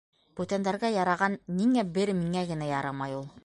Бүтәндәргә яраған ниңә бер миңә генә ярамай ул?